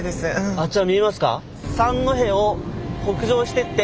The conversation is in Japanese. あちら見えますか？